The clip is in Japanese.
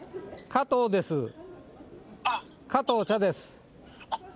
加藤茶です。